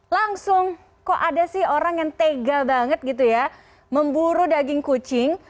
langsung kok ada sih orang yang tega banget gitu ya memburu daging kucing